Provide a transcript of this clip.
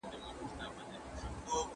ټول کندهار کې يو لونگ نقيب دی، دی غواړي